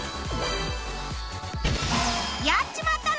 やっちまったな！